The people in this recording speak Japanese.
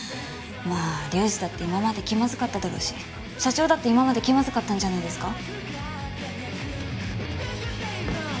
まあ龍二だって今まで気まずかっただろうし社長だって今まで気まずかったんじゃないですか？